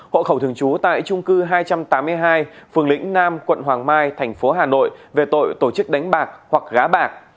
hộ khẩu thường trú tại trung cư hai trăm tám mươi hai phường lĩnh nam quận hoàng mai thành phố hà nội về tội tổ chức đánh bạc hoặc gá bạc